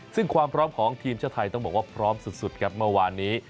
ซึ่งความพร้อมของทีมชาติไทยต้องบอกว่าพร้อมสุดครับเมื่อวานนี้